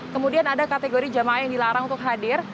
kemudian ada kategori jamaah yang dilarang untuk hadir